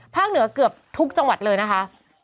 เหนือเกือบทุกจังหวัดเลยนะคะ